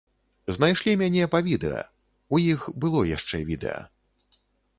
Знайшлі мяне па відэа, у іх было яшчэ відэа.